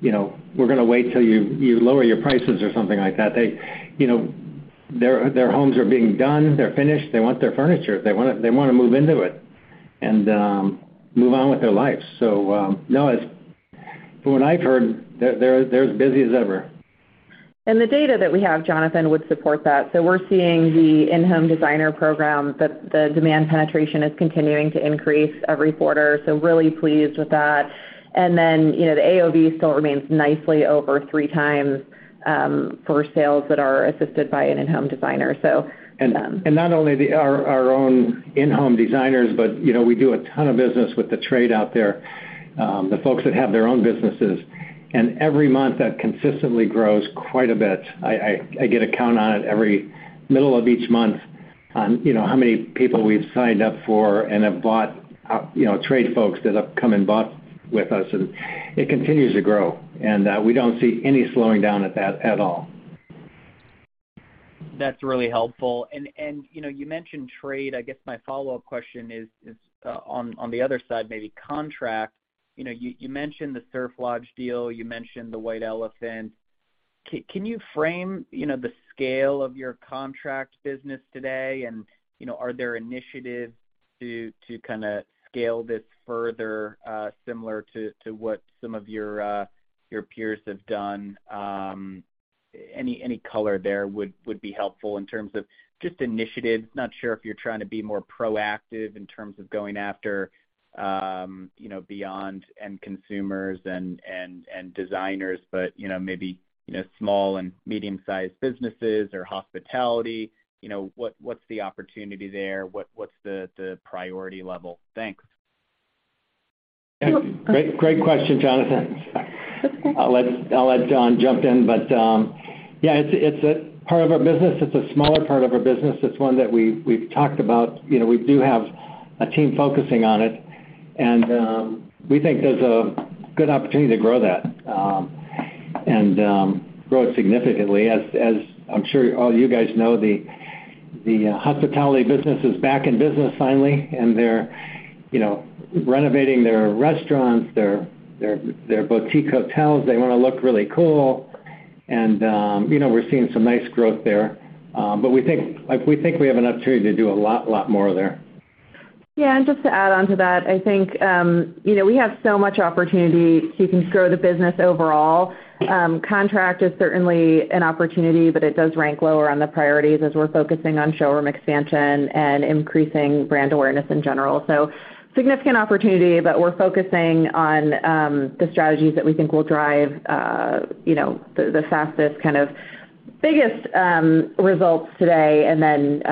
you know, we're gonna wait till you lower your prices," or something like that. They, you know, their homes are being done. They're finished. They want their furniture. They wanna move into it and move on with their lives. No, it's. From what I've heard, they're as busy as ever. The data that we have, Jonathan, would support that. We're seeing the in-home designer program, the demand penetration is continuing to increase every quarter, so really pleased with that. You know, the AOV still remains nicely over 3x for sales that are assisted by an in-home designer. Not only our own in-home designers, but, you know, we do a ton of business with the trade out there, the folks that have their own businesses. Every month, that consistently grows quite a bit. I get a count on it every middle of each month on, you know, how many people we've signed up for and have bought, you know, trade folks that have come and bought with us, and it continues to grow. We don't see any slowing down at that at all. That's really helpful. You know, you mentioned trade. I guess my follow-up question is on the other side, maybe contract. You know, you mentioned The Surf Lodge deal, you mentioned The White Elephant. Can you frame, you know, the scale of your contract business today? And, you know, are there initiatives to kinda scale this further, similar to what some of your peers have done? Any color there would be helpful in terms of just initiatives. Not sure if you're trying to be more proactive in terms of going after, you know, beyond end consumers and designers, but, you know, maybe, you know, small and medium-sized businesses or hospitality. You know, what's the opportunity there? What's the priority level? Thanks. Great, great question, Jonathan. I'll let Dawn jump in. Yeah, it's a part of our business. It's a smaller part of our business. It's one that we've talked about. You know, we do have a team focusing on it, and, we think there's a good opportunity to grow that, and, grow it significantly. As, as I'm sure all you guys know, the hospitality business is back in business finally, and they're, you know, renovating their restaurants, their boutique hotels. They wanna look really cool. You know, we're seeing some nice growth there. We think, like, we think we have an opportunity to do a lot more there. Yeah. Just to add on to that, I think, you know, we have so much opportunity to grow the business overall. Contract is certainly an opportunity, but it does rank lower on the priorities as we're focusing on showroom expansion and increasing brand awareness in general. Significant opportunity, but we're focusing on the strategies that we think will drive, you know, the fastest kind of biggest results today. Then,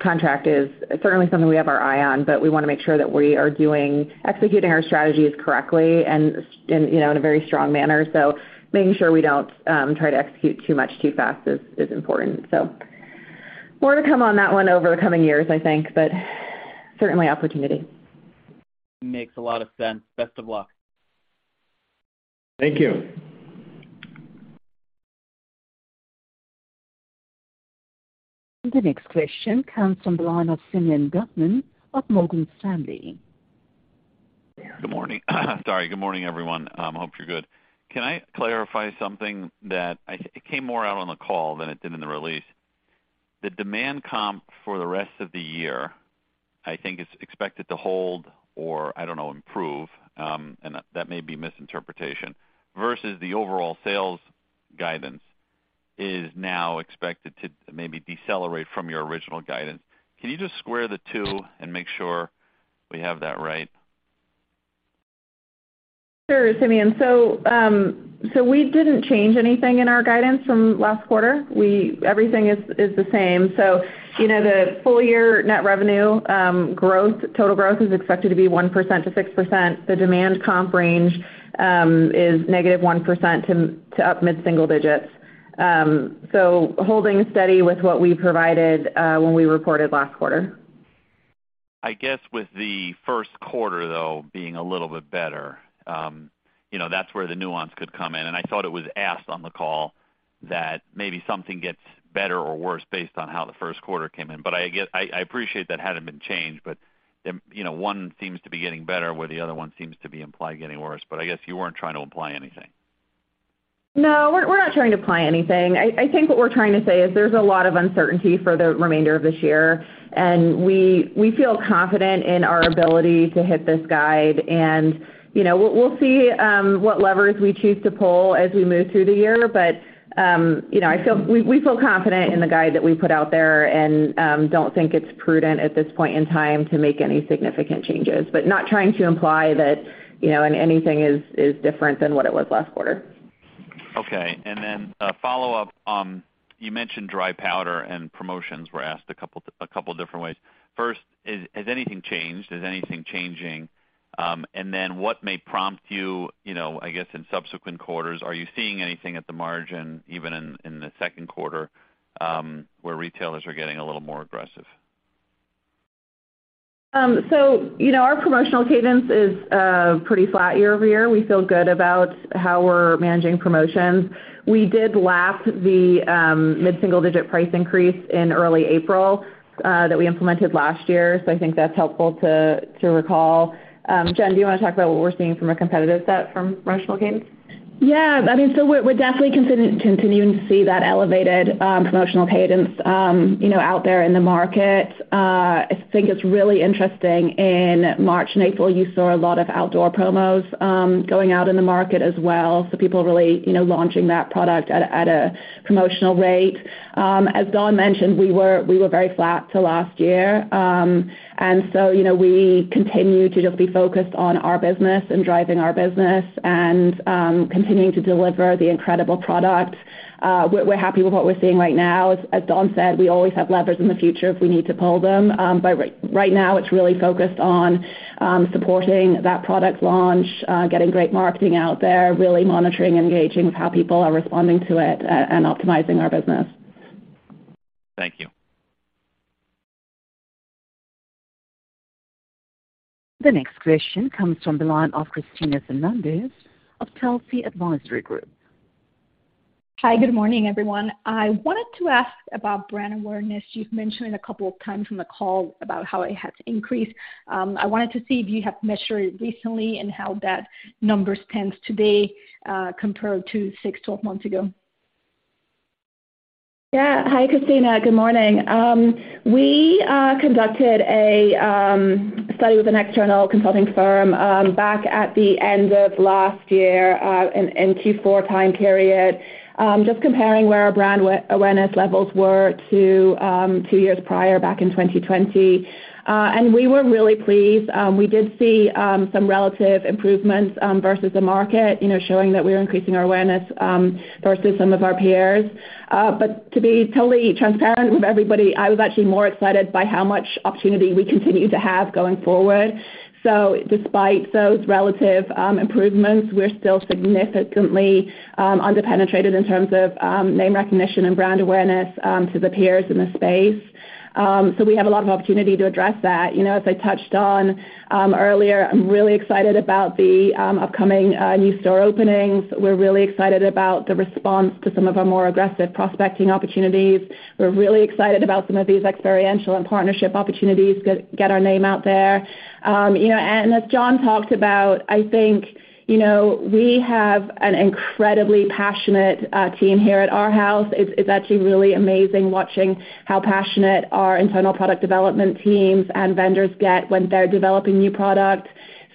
contract is certainly something we have our eye on, but we wanna make sure that we are executing our strategies correctly and, you know, in a very strong manner. Making sure we don't try to execute too much too fast is important. More to come on that one over the coming years, I think, but certainly opportunity. Makes a lot of sense. Best of luck. Thank you. The next question comes from the line of Simeon Gutman of Morgan Stanley. Good morning. Sorry. Good morning, everyone. Hope you're good. Can I clarify something that it came more out on the call than it did in the release? The demand comp for the rest of the year, I think is expected to hold or, I don't know, improve, that may be misinterpretation, versus the overall sales guidance is now expected to maybe decelerate from your original guidance. Can you just square the two and make sure we have that right? Sure, Simeon. We didn't change anything in our guidance from last quarter. Everything is the same. You know, the full year net revenue growth, total growth is expected to be 1%-6%. The demand comp range is -1% to up mid-single digits. Holding steady with what we provided when we reported last quarter. I guess with the first quarter though, being a little bit better, you know, that's where the nuance could come in. I thought it was asked on the call that maybe something gets better or worse based on how the first quarter came in. I appreciate that hadn't been changed, but, you know, one seems to be getting better where the other one seems to be implied getting worse. I guess you weren't trying to imply anything. No, we're not trying to imply anything. I think what we're trying to say is there's a lot of uncertainty for the remainder of this year. We feel confident in our ability to hit this guide. You know, we'll see what levers we choose to pull as we move through the year. You know, we feel confident in the guide that we put out there and don't think it's prudent at this point in time to make any significant changes. Not trying to imply that, you know, anything is different than what it was last quarter. Okay. A follow-up. You mentioned dry powder and promotions were asked a couple different ways. First, has anything changed? Is anything changing? What may prompt you know, I guess in subsequent quarters, are you seeing anything at the margin even in the second quarter, where retailers are getting a little more aggressive? You know, our promotional cadence is pretty flat year over year. We feel good about how we're managing promotions. We did lap the mid-single digit price increase in early April that we implemented last year. I think that's helpful to recall. Jen, do you wanna talk about what we're seeing from a competitive set from promotional cadence? Yeah. I mean, we're definitely continuing to see that elevated promotional cadence, you know, out there in the market. I think it's really interesting in March and April, you saw a lot of outdoor promos going out in the market as well. People really, you know, launching that product at a promotional rate. As Dawn mentioned, we were very flat to last year. You know, we continue to just be focused on our business and driving our business and continuing to deliver the incredible product. We're happy with what we're seeing right now. As Dawn said, we always have levers in the future if we need to pull them. Right now, it's really focused on supporting that product launch, getting great marketing out there, really monitoring and engaging with how people are responding to it, and optimizing our business. Thank you. The next question comes from the line of Cristina Fernández of Telsey Advisory Group. Hi, good morning, everyone. I wanted to ask about brand awareness. You've mentioned a couple of times from the call about how it has increased. I wanted to see if you have measured it recently and how that numbers tends to be compared to six, 12 months ago. Hi, Cristina. Good morning. We conducted a study with an external consulting firm back at the end of last year in Q4 time period just comparing where our brand awareness levels were to two years prior back in 2020. We were really pleased. We did see some relative improvements versus the market, you know, showing that we are increasing our awareness versus some of our peers. To be totally transparent with everybody, I was actually more excited by how much opportunity we continue to have going forward. Despite those relative improvements, we're still significantly under-penetrated in terms of name recognition and brand awareness to the peers in the space. We have a lot of opportunity to address that. You know, as I touched on earlier, I'm really excited about the upcoming new store openings. We're really excited about the response to some of our more aggressive prospecting opportunities. We're really excited about some of these experiential and partnership opportunities get our name out there. You know, as John talked about, I think, you know, we have an incredibly passionate team here at Arhaus. It's actually really amazing watching how passionate our internal product development teams and vendors get when they're developing new product.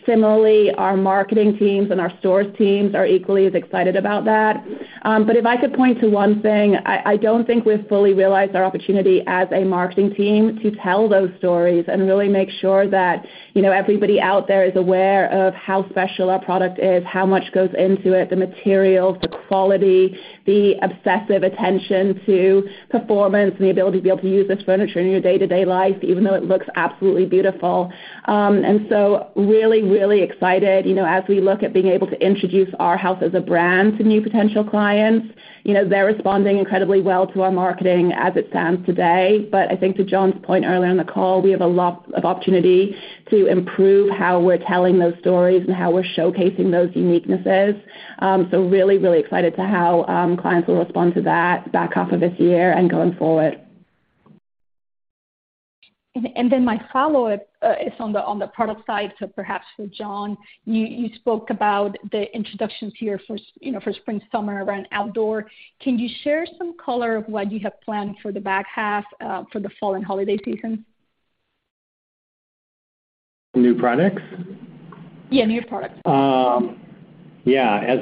Similarly, our marketing teams and our stores teams are equally as excited about that. If I could point to one thing, I don't think we've fully realized our opportunity as a marketing team to tell those stories and really make sure that, you know, everybody out there is aware of how special our product is, how much goes into it, the materials, the quality, the obsessive attention to performance and the ability to be able to use this furniture in your day-to-day life, even though it looks absolutely beautiful. Really, really excited, you know, as we look at being able to introduce Arhaus as a brand to new potential clients. You know, they're responding incredibly well to our marketing as it stands today. I think to John's point earlier on the call, we have a lot of opportunity to improve how we're telling those stories and how we're showcasing those uniquenesses. Really, really excited to how clients will respond to that back half of this year and going forward. My follow-up is on the product side. Perhaps for John, you spoke about the introductions here for you know, for spring-summer around outdoor. Can you share some color of what you have planned for the back half for the fall and holiday season? New products? Yeah, new products. Yeah.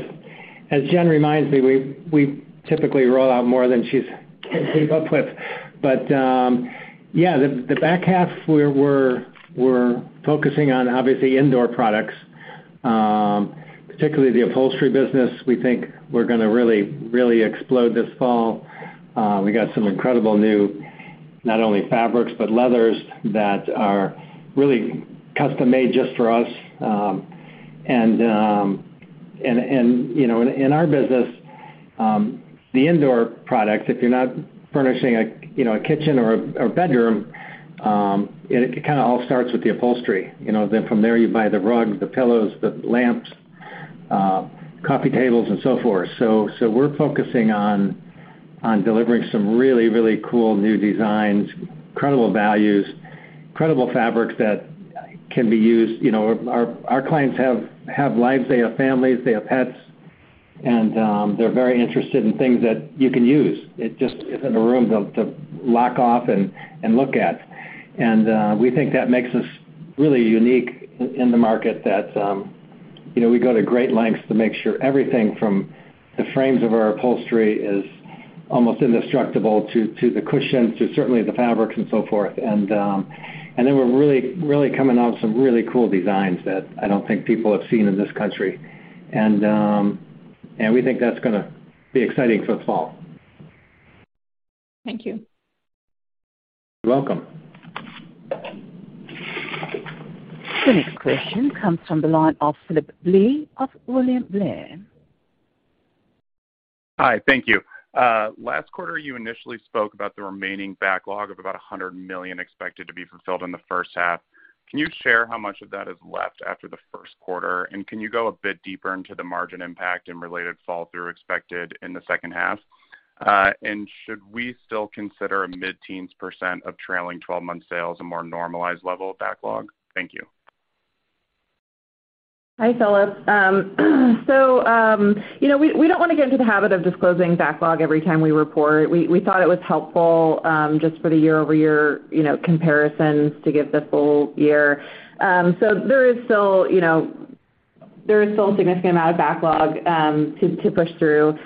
As Jenn reminds me, we typically roll out more than she's can keep up with. But, yeah, the back half we're focusing on obviously indoor products, particularly the upholstery business. We think we're gonna really, really explode this fall. We got some incredible new, not only fabrics, but leathers that are really custom-made just for us. You know, in our business, the indoor products, if you're not furnishing you know, a kitchen or a bedroom, it kinda all starts with the upholstery. You know, then from there, you buy the rugs, the pillows, the lamps, coffee tables and so forth. We're focusing on delivering some really, really cool new designs, incredible values, incredible fabrics that can be used. You know, our clients have lives, they have families, they have pets, and they're very interested in things that you can use. It just isn't a room to lock off and look at. We think that makes us really unique in the market that, you know, we go to great lengths to make sure everything from the frames of our upholstery is almost indestructible to the cushions, to certainly the fabrics and so forth. Then we're really, really coming out with some really cool designs that I don't think people have seen in this country. We think that's gonna be exciting for the fall. Thank you. You're welcome. The next question comes from the line of Phillip Blee of William Blair. Hi. Thank you. last quarter, you initially spoke about the remaining backlog of about $100 million expected to be fulfilled in the first half. Can you share how much of that is left after the first quarter? Can you go a bit deeper into the margin impact and related fall-through expected in the second half? Should we still consider a mid-teens percent of trailing 12-month sales a more normalized level of backlog? Thank you. Hi, Phillip. You know, we don't wanna get into the habit of disclosing backlog every time we report. We, we thought it was helpful, just for the year-over-year, you know, comparisons to give the full year. There is still, you know, there is still a significant amount of backlog, to push through.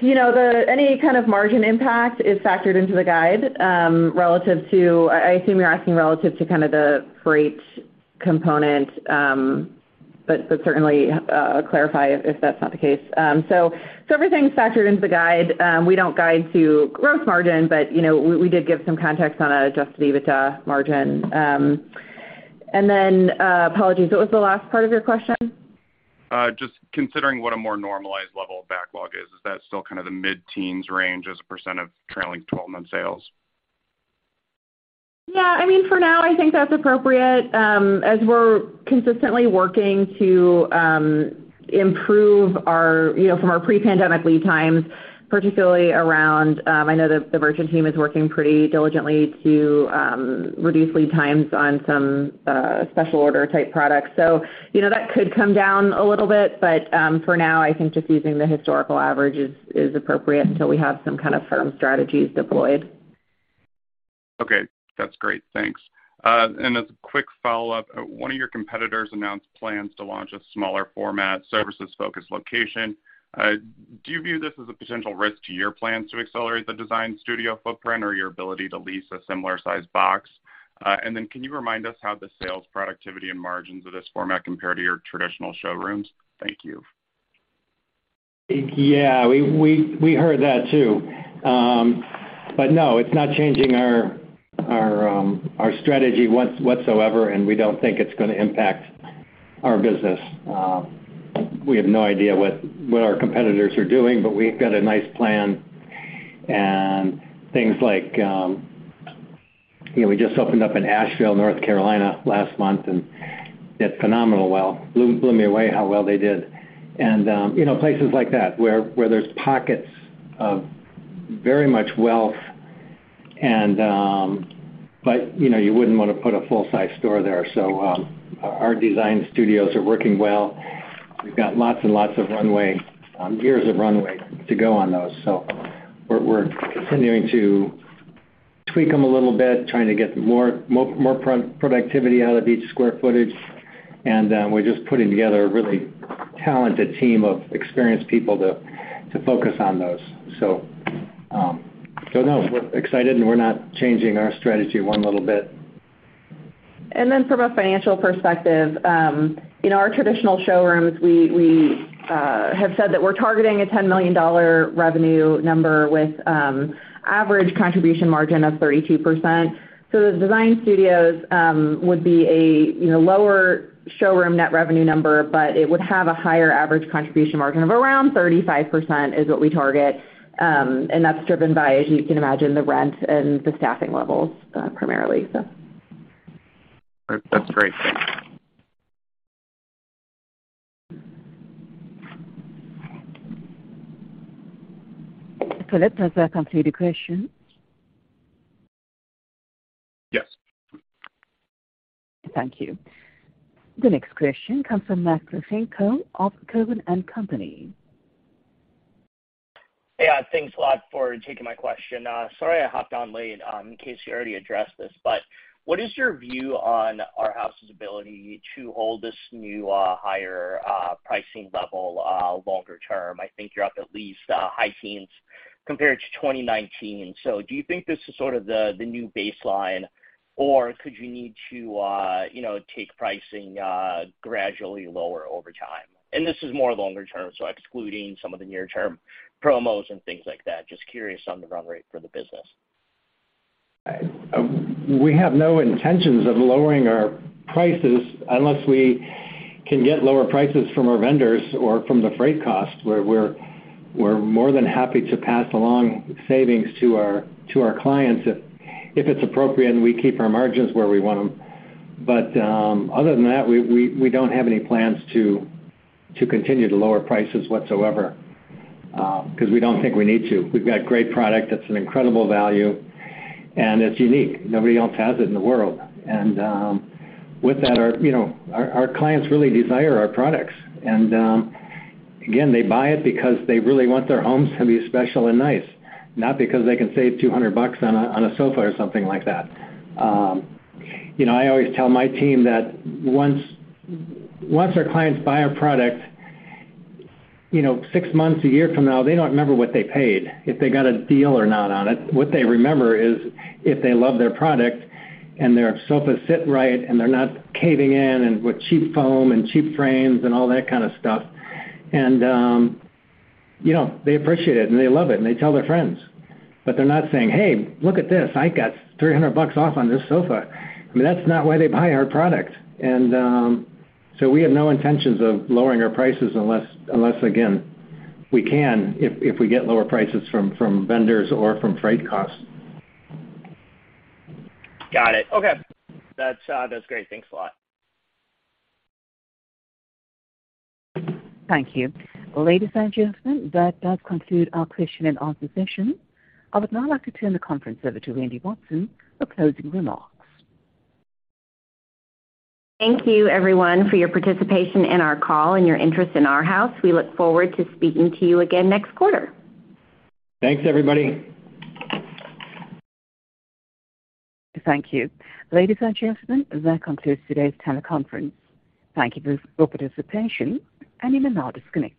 You know, any kind of margin impact is factored into the guide, I assume you're asking relative to kind of the freight component, but certainly, clarify if that's not the case. Everything's factored into the guide. We don't guide to gross margin, but, you know, we did give some context on a adjusted EBITDA margin. Apologies, what was the last part of your question? Just considering what a more normalized level of backlog is that still kind of the mid-teens range as a percent of trailing 12-month sales? I mean, for now, I think that's appropriate, as we're consistently working to improve our, you know, from our pre-pandemic lead times, particularly around. I know the merchant team is working pretty diligently to reduce lead times on some special order type products. You know, that could come down a little bit, but, for now, I think just using the historical average is appropriate until we have some kind of firm strategies deployed. Okay. That's great. Thanks. As a quick follow-up, one of your competitors announced plans to launch a smaller format services-focused location. Do you view this as a potential risk to your plans to accelerate the design studio footprint or your ability to lease a similar-sized box? Can you remind us how the sales productivity and margins of this format compare to your traditional showrooms? Thank you. Yeah. We heard that too. No, it's not changing our strategy whatsoever, and we don't think it's gonna impact our business. We have no idea what our competitors are doing, we've got a nice plan and things like, you know, we just opened up in Asheville, North Carolina last month, and did phenomenal well. Blew me away how well they did. You know, places like that where there's pockets of very much wealth and. You know, you wouldn't wanna put a full-size store there. Our design studios are working well. We've got lots and lots of runway, years of runway to go on those. We're continuing to tweak them a little bit, trying to get more productivity out of each square footage. We're just putting together a really talented team of experienced people to focus on those. No, we're excited, and we're not changing our strategy one little bit. From a financial perspective, in our traditional showrooms, we have said that we're targeting a $10 million revenue number with average contribution margin of 32%. The design studios, you know, would be a lower showroom net revenue number, but it would have a higher average contribution margin of around 35% is what we target. That's driven by, as you can imagine, the rent and the staffing levels, primarily. That's great. Thanks. Phillip, does that conclude your question? Yes. Thank you. The next question comes from Max Rakhlenko of Cowen and Company. Hey. Thanks a lot for taking my question. Sorry I hopped on late, in case you already addressed this. What is your view on Arhaus' ability to hold this new, higher pricing level longer term? I think you're up at least high teens compared to 2019. Do you think this is sort of the new baseline, or could you need to, you know, take pricing gradually lower over time? This is more longer term, so excluding some of the near-term promos and things like that. Just curious on the run rate for the business. We have no intentions of lowering our prices unless we can get lower prices from our vendors or from the freight costs, where we're more than happy to pass along savings to our clients if it's appropriate, and we keep our margins where we want them. Other than that, we don't have any plans to continue to lower prices whatsoever, 'cause we don't think we need to. We've got great product that's an incredible value, and it's unique. Nobody else has it in the world. With that, our clients really desire our products. Again, they buy it because they really want their homes to be special and nice, not because they can save $200 on a sofa or something like that. You know, I always tell my team that once our clients buy our product, you know, six months, a year from now, they don't remember what they paid, if they got a deal or not on it. What they remember is if they love their product and their sofa sit right and they're not caving in and with cheap foam and cheap frames and all that kind of stuff. You know, they appreciate it, and they love it, and they tell their friends, but they're not saying, "Hey, look at this, I got $300 off on this sofa." I mean, that's not why they buy our product. So we have no intentions of lowering our prices unless, again, we can if we get lower prices from vendors or from freight costs. Got it. Okay. That's, that's great. Thanks a lot. Thank you. Ladies and gentlemen, that does conclude our question and answer session. I would now like to turn the conference over to Wendy Watson for closing remarks. Thank you, everyone, for your participation in our call and your interest in Arhaus. We look forward to speaking to you again next quarter. Thanks, everybody. Thank you. Ladies and gentlemen, that concludes today's teleconference. Thank you for participation. You may now disconnect.